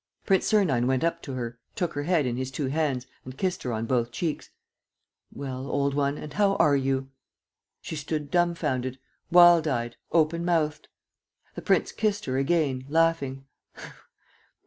Prince Sernine went up to her, took her head in his two hands and kissed her on both cheeks: "Well, old one, and how are you?" She stood dumfounded, wild eyed, open mouthed. The prince kissed her again, laughing.